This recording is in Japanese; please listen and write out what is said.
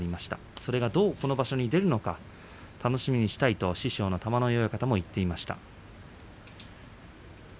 それがどう、この場所で出るのか楽しみにしたいと、師匠の玉ノ井親方も言っていました。